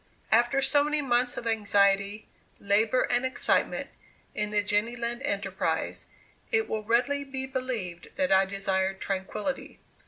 After so many months of anxiety, labor and excitement, in the Jenny Lind enterprise, it will readily be believed that I desired tranquility.